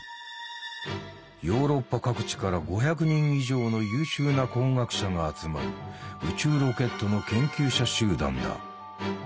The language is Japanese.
ヨーロッパ各地から５００人以上の優秀な工学者が集まる宇宙ロケットの研究者集団だ。